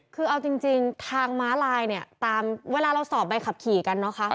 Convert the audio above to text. คือเอาจริงทางม้าลายเนี่ยตามเวลาเราสอบใบขับขี่กันนะคะ